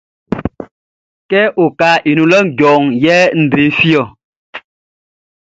Kɛ okaʼn i nun lɔʼn djɔ yɛ nʼdre fi ɔ.